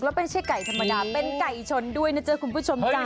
แล้วเป็นชิ้นไก่ธรรมดาเป็นไก่ชนด้วยนะเจ้าคุณผู้ชมจ้า